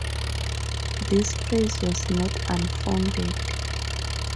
This praise was not unfounded.